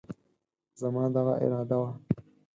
زما دغه اراده وه،